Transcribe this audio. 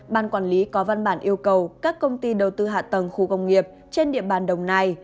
ban quản lý có văn bản yêu cầu các công ty đầu tư hạ tầng khu công nghiệp trên địa bàn đồng nai